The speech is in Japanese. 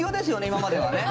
今まではね。